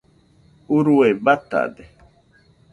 urue batade